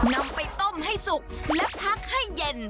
นำไปต้มให้สุกและพักให้เย็น